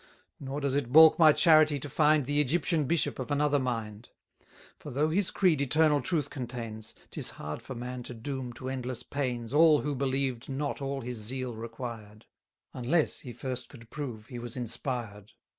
Nor does it balk my charity to find The Egyptian bishop of another mind: For though his creed eternal truth contains, 'Tis hard for man to doom to endless pains All who believed not all his zeal required; Unless he first could prove he was inspired.